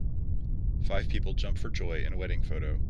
Five people jump for joy in a wedding photo.